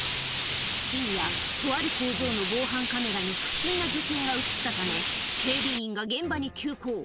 深夜、とある工場の防犯カメラに不審な女性が写ったため、警備員が現場に急行。